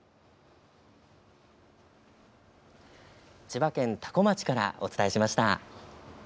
千葉県多古町からお伝えしました。